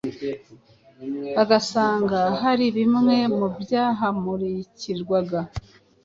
bagasanga hari bimwe mu byahamurikirwaga